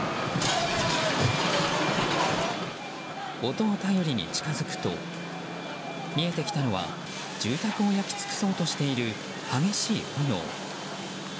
音を頼りに近づくと見えてきたのは住宅を焼き尽くそうとしている激しい炎。